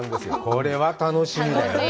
これは楽しみだよね。